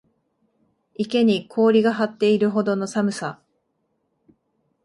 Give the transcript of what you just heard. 池に氷が張っているほどの寒さ